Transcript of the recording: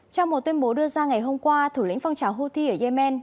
trong một tuyên bố đưa ra ngày hôm qua thủ lĩnh phong trào houthi ở yemen